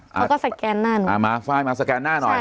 เขาก็สแกนหน้าหนูอ่ามาไฟล์มาสแกนหน้าหน่อย